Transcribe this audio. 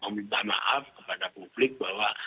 meminta maaf kepada publik bahwa